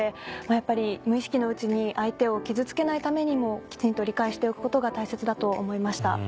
やっぱり無意識のうちに相手を傷つけないためにもきちんと理解しておくことが大切だと思いました。